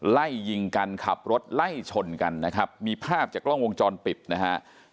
ไล่ยิงกันขับรถไล่ชนกันนะครับมีภาพจากกล้องวงจรปิดนะฮะ